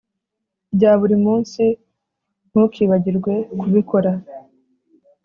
rya buri munsi, ntukibagirwe kubikora